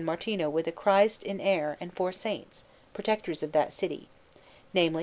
Martino with a Christ in air and four Saints, Protectors of that city namely, S.